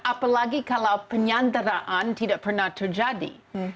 apalagi kalau penyanderaan tidak pernah terjadi